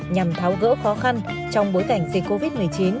nhằm tháo gỡ khó khăn trong bối cảnh dịch covid một mươi chín